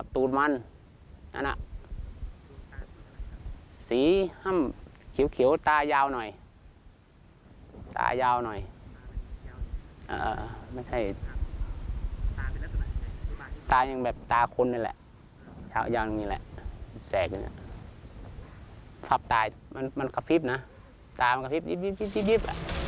ตายมันกระพริบนะตายมันกระพริบยิบ